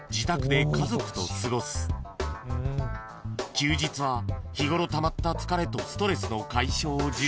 ［休日は日ごろたまった疲れとストレスの解消を重視］